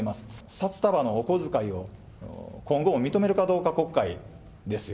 札束のお小遣いを今後も認めるかどうか国会ですよ。